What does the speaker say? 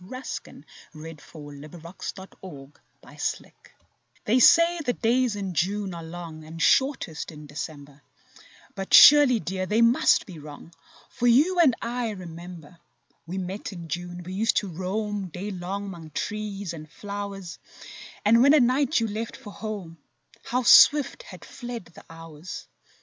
SONGS AND DREAMS June and December They say the days in June are long And shortest in December; But surely, dear, they must be wrong, For you and I remember We met in June, we used to roam Day long hnong trees and flowers, And when at night you left for home— How swift had fled the hours!